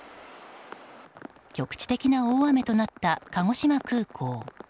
局地的な大雨となった鹿児島空港。